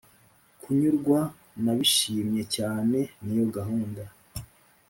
kunyurwa nabishimye cyane niyo gahunda